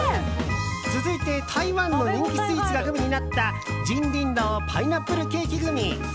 続いて台湾の人気スイーツがグミになった京鼎楼パイナップルケーキグミ。